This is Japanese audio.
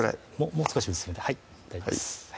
もう少し薄めではい大丈夫です